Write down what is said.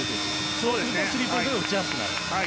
そうするとスリーポイントが打ちやすくなると？